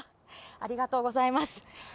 ありがとうございます。